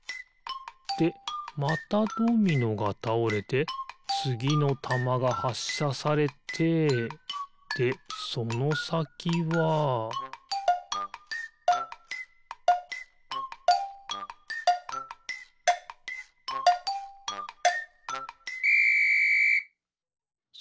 でまたドミノがたおれてつぎのたまがはっしゃされてでそのさきはピッ！